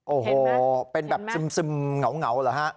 โอ้โหเป็นแบบซึมเหงาเหรอฮะ